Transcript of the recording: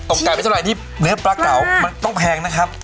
ออกไก่วิทยาลัยที่เนื้อปลาเก๋ามันต้องแพงนะครับ